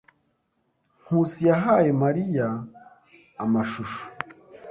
Nkusi yahaye Mariya amashusho.